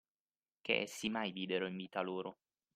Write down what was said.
Che essi mai videro in vita loro.